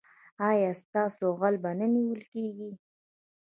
ایا ستاسو غل به نه نیول کیږي؟